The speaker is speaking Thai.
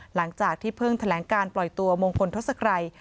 หลังจากที่เพิ่งแถลงการปล่อยตัวมงคลทศกรัย